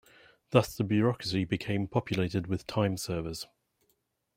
Thus the bureaucracy became populated with time servers.